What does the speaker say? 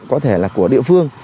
có thể là của địa phương